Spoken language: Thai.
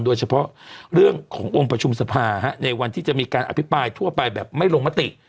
โดยเฉพาะเรื่องขององค์ประชุมสภาในวันที่จะมีการอภิปรายทั่วไปแบบไม่ลงมติ